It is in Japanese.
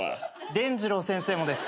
でんじろう先生もですか？